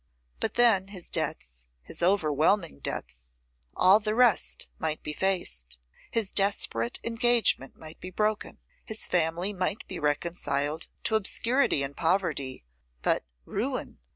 But, then, his debts, his overwhelming debts. All the rest might be faced. His desperate engagement might be broken; his family might be reconciled to obscurity and poverty: but, ruin!